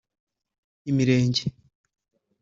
Imirenge